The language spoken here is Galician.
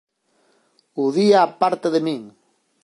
O día aparta de min.